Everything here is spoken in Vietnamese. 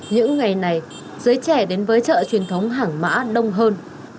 những ngày này giới trẻ đến với chợ truyền thống hàng mã đông hơn